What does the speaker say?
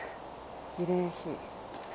慰霊碑。